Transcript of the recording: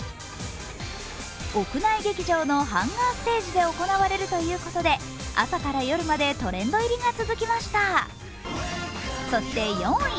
屋内劇場のハンガーステージで行われるということで朝から夜までトレンド入りが続きました。